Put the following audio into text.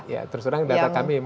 ya terserah data kami